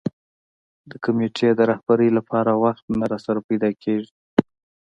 د کمېټې د رهبرۍ لپاره وخت نه راسره پیدا کېږي.